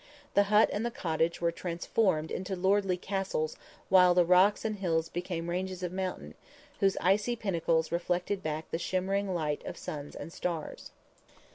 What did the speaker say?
The hut and the cottage were transformed into lordly castles while the rocks and the hills became ranges of mountain, whose icy pinnacles reflected back the shimmering light of suns and stars.